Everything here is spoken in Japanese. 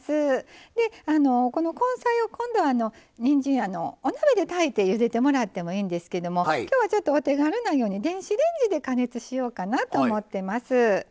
でこの根菜を今度にんじんお鍋で炊いてゆでてもらってもいいんですけども今日はちょっとお手軽なように電子レンジで加熱しようかなと思ってます。